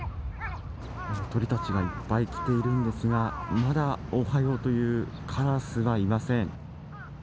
鳥たちがいっぱい来ているんですがまだおはようというカラスはいません。